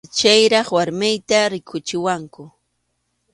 Chayraq warmiyta rikuchiwanku.